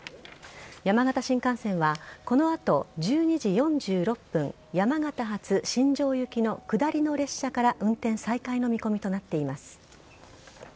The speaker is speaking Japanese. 山形新幹線は、このあと１２時４６分、山形発新庄行きの下りの列車から、運転再開の見込みとなっています。